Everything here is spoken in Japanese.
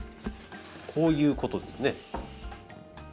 こういうことですね。